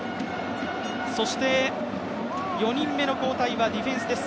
そして４人目の交代はディフェンスです。